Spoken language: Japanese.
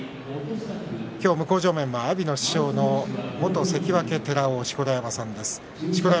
今日向正面は、阿炎の師匠の元関脇寺尾の錣山さんです。